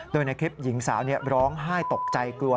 โดยในคลิปหญิงสาวร้องไห้ตกใจกลัว